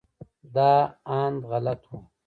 دا اند غلط و.